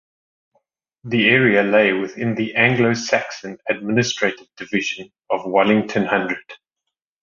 The area lay within the Anglo-Saxon administrative division of Wallington hundred.